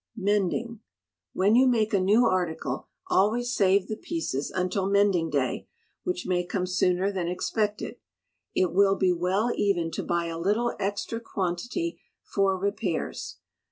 Mending. When you make a new article always save the pieces until "mending day," which may come sooner than expected. It will be well even to buy a little extra quantity for repairs.